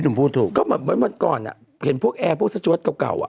เหมือนก่อนเห็นพวกแอร์พวกสะชวดเก่า